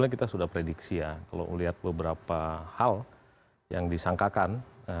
kita sudah prediksi ya kalau melihat beberapa hal yang disangkakan